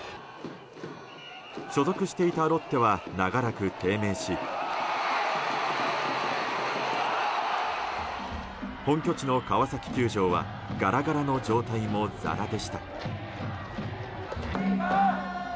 所属していたロッテは長らく低迷し本拠地の川崎球場はガラガラの状態もざらでした。